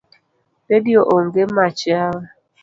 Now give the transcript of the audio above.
Redio onge mach yawa.